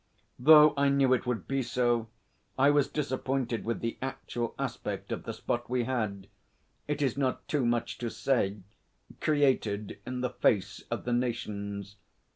Though I knew it would be so, I was disappointed with the actual aspect of the spot we had it is not too much to say created in the face of the nations.